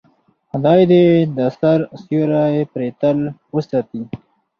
خدای دې د سر سیوری پرې تل وساتي.